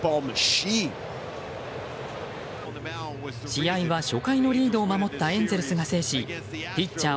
試合は、初回のリードを守ったエンゼルスが制しピッチャー